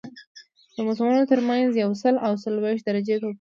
د موسمونو ترمنځ یو سل او څلوېښت درجې توپیر وي